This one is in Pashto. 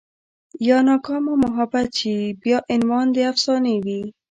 يا ناکامه محبت شي بيا عنوان د افسانې وي